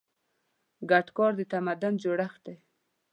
ګډ کار د تمدن جوړښت دی.